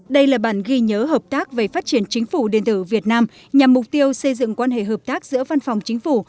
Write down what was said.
đây là bản ghi nhớ hợp tác về phát triển chính phủ điện tử việt nam nhằm mục tiêu xây dựng quan hệ hợp tác giữa văn phòng chính phủ